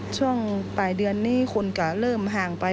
ช่วงปลายเดือนนี้คนก็เริ่มห่างไป